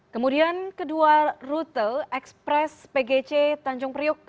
kemudian kedua rute ekspres pgc tanjung priuk